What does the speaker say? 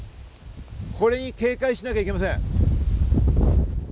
これに警戒しなければいけません。